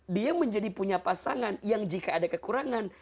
dia menjadi punya pasangan yang jika ada kekurangan